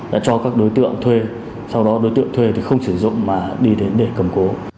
đã cho các đối tượng thuê sau đó đối tượng thuê thì không sử dụng mà đi đến để cầm cố